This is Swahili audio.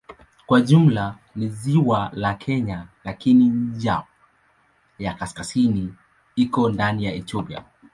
Kwa jumla ni ziwa la Kenya lakini ncha ya kaskazini iko ndani ya Ethiopia.